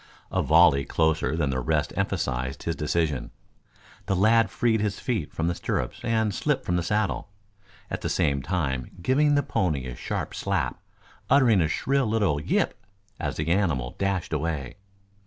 A volley closer than the rest emphasized his decision. The lad freed his feet from the stirrups and slipped from the saddle, at the same time giving the pony a sharp slap, uttering a shrill little "yip!" as the animal dashed away.